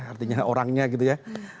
artinya orangnya gitu ya